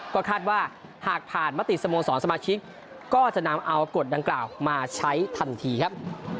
ก็คาดว่าหากผ่านมติสโมสรสมาชิกก็จะนำเอากฎดังกล่าวมาใช้ทันทีครับ